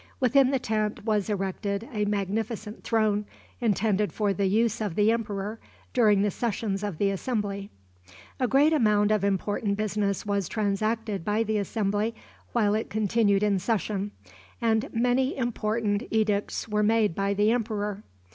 Within the tent was erected a magnificent throne, intended for the use of the emperor during the sessions of the assembly. A great amount of important business was transacted by the assembly while it continued in session, and many important edicts were made by the emperor.